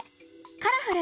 「カラフル！